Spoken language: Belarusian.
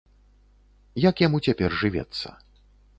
Як яму цяпер жывецца.